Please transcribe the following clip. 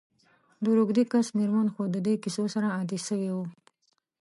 د روږدې کس میرمن خو د دي کیسو سره عادي سوي وه.